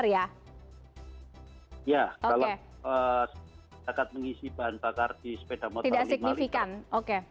kalau sekat mengisi bahan bakar di sepeda motor lima liter